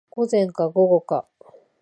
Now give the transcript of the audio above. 午前か午後か